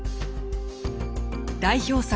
代表作